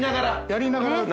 やりながら。